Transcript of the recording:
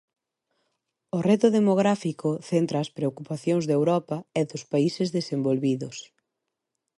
O reto demográfico centra as preocupacións de Europa e dos países desenvolvidos.